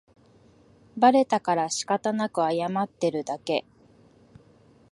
バレたからしかたなく謝ってるだけ